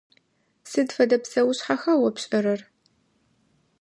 Сыд фэдэ псэушъхьэха о пшӏэрэр?